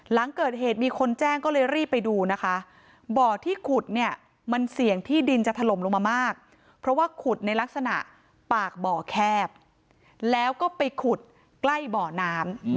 หลังเกิดเหตุมีคนแจ้งก็เลยรีบไปดูนะคะบ่อที่ขุดเนี่ยมันเสี่ยงที่ดินจะถล่มลงมามากเพราะว่าขุดในลักษณะปากบ่อแคบแล้วก็ไปขุดใกล้บ่อน้ำ